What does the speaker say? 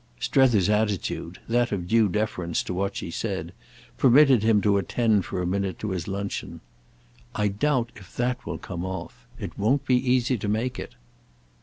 Strether's attitude, that of due deference to what she said, permitted him to attend for a minute to his luncheon. "I doubt if that will come off. It won't be easy to make it."